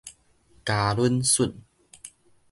交懍恂